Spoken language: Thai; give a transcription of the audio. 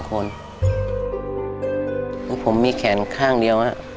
ผมมีแขนข้างเดียว